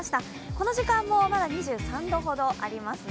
この時間もまだ２３度ほどありますね。